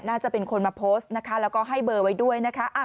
น่าจะเป็นคนมาโพสต์นะคะแล้วก็ให้เบอร์ไว้ด้วยนะคะ